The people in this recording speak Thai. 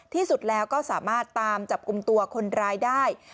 ที่สุดแล้วก็สามารถตามจับกลุ่มตัวคนร้ายได้